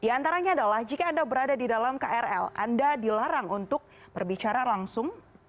di antaranya adalah jika anda berada di dalam krl anda dilarang untuk berbicara langsung